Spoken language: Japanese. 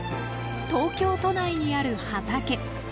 東京都内にある畑。